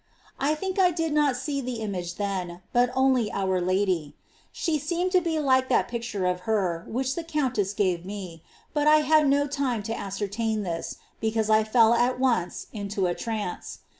I think I did not see the image then, but only our Lady. She seemed to be like that picture of her which the Countess^ gave me ; but I had no time to ascertain this, because I fell at once into a trance.